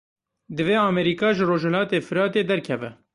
Divê Amerîka ji rojhilatê Firatê derkeve.